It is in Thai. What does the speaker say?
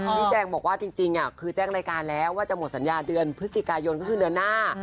ชี้แจงบอกว่าจริงคือแจ้งรายการแล้วว่าจะหมดสัญญาเดือนพฤศจิกายนก็คือเดือนหน้า